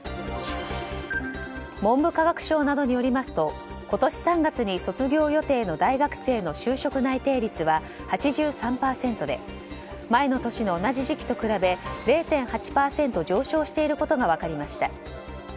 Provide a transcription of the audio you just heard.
文部科学省などによりますと今年３月に卒業予定の大学生の就職内定率は８３％で前の年の同じ時期と比べ０．８％上昇していることが分かりました。